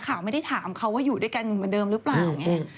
ข่าวไม่ได้ถามเขาว่าอยู่ด้วยกันอย่างเหมือนเดิมหรือเปล่าไง